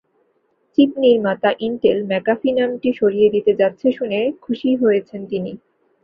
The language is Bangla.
চিপ নির্মাতা ইনটেল ম্যাকাফি নামটি সরিয়ে দিতে যাচ্ছে শুনে খুশিই হয়েছেন তিনি।